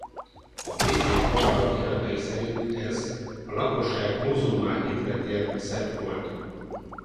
A bécsi kamara iratai szerint ez a lakosság muzulmán hitre tért szerb volt.